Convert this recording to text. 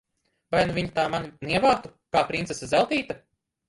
Vai nu viņa tā mani nievātu, kā princese Zeltīte!